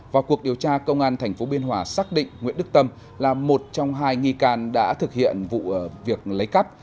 vào cuộc điều tra công an tp biên hòa xác định nguyễn đức tâm là một trong hai nghi can đã thực hiện vụ việc lấy cắp